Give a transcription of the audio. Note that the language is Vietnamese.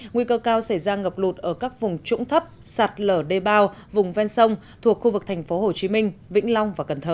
nguy cơ cao sẽ ra ngập lụt ở các vùng trũng thấp sạt lở đê bao vùng ven sông thuộc khu vực thành phố hồ chí minh vĩnh long và cần thơ